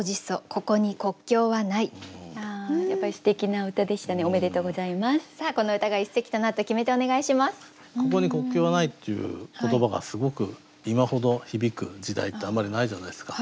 「ここに国境はない」っていう言葉がすごく今ほど響く時代ってあんまりないじゃないですか。